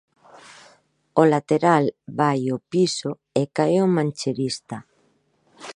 O lateral vai ao piso e cae o mancherista.